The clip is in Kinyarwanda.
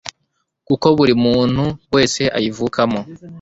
kuko buri muntu wese ayivukamo